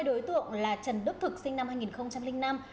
hai đối tượng là trần đức thực sinh năm hai nghìn năm